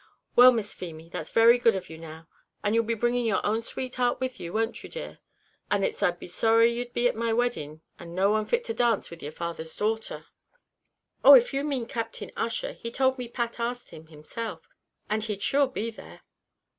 "Well, Miss Feemy, that's very good of you now. And you'll be bringing your own sweetheart with you, won't you, dear? and it's I'd be sorry you'd be at my wedding, and no one fit to dance with your father's daughter." "Oh! if you mean Captain Ussher, he told me Pat asked him himself, and he'd sure be there."